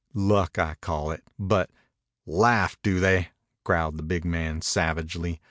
Luck, I call it, but " "Laugh, do they?" growled the big man savagely.